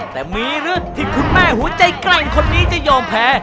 แต่มีเรื่องที่คุณแม่หัวใจแกร่งคนนี้จะยอมแพ้